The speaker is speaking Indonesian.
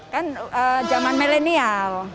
kan zaman millennial